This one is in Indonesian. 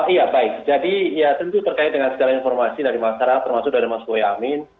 iya baik jadi ya tentu terkait dengan segala informasi dari masyarakat termasuk dari mas boyamin